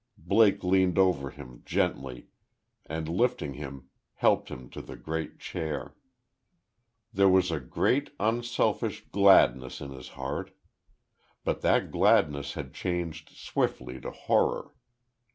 Blake leaned over him, gently, and lifting him, helped him to the great chair. There was a great, unselfish gladness in his heart. But that gladness had changed swiftly to horror.